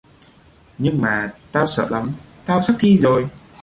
Nhưng mà tao sợ lắm Tao sắp thi rồi